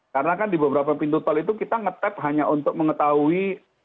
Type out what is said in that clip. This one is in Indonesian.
karena kan di beberapa pintu tol itu kita nge tap hanya untuk mengetahui